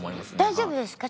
大丈夫ですか？